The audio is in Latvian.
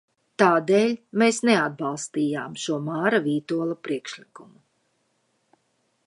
Tādēļ mēs neatbalstījām šo Māra Vītola priekšlikumu.